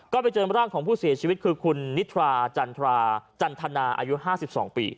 ก็ไปเจอร่างของผู้เสียชีวิตคือคุณนิทราจันทราจันทนาอายุ๕๒ปี